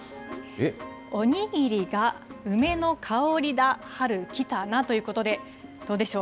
お握りが梅の香りだ春来たなということで、どうでしょう。